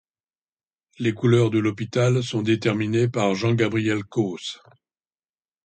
Les couleurs de l'hopital sont déterminées par Jean-Gabriel Causse.